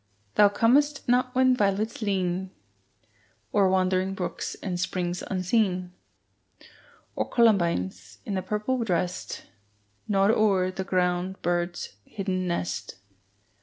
Thou comest not when violets lean O'er wandering brooks and springs unseen, Or columbines, in purple dressed, Nod o'er the ground bird's hidden nest.